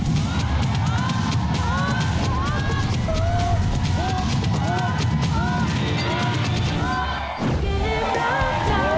เกมรับจำนำ